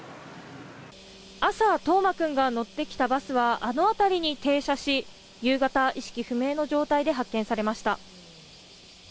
朝、冬生君が乗ってきたバスはあの辺りに停車し夕方、意識不明の状態で発見されました。